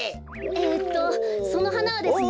えっとそのはなはですね。